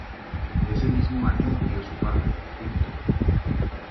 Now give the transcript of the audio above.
Ese mismo año murió su padre.